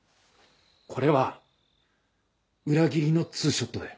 これは裏切りの２ショットだよ。